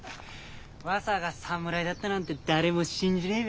ワサが侍だったなんて誰も信じねえべ。